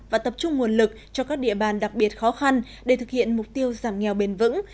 và tập trung nguồn lực cho các địa bàn đặc biệt khó khăn để thực hiện mục tiêu giảm nghèo bền vững